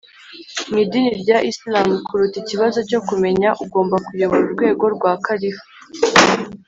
mu idini rya isilamu kuruta ikibazo cyo kumenya ugomba kuyobora urwego rwa kalifu